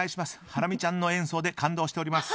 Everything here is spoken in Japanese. ハラミちゃんの演奏で感動しております。